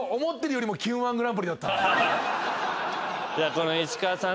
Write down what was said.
この石川さん